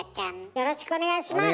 よろしくお願いします！